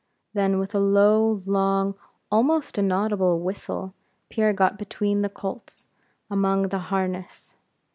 Then, with a low, long, almost inaudible whistle, Pierre got between the colts, among the harness.